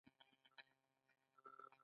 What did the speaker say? هغوی د ژور خوبونو د لیدلو لپاره ناست هم وو.